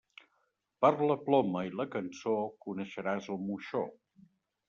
Per la ploma i la cançó coneixeràs el moixó.